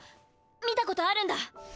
見たことあるんだ！